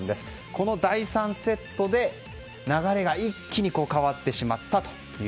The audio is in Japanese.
この第３セットで流れが一気に変わってしまったという。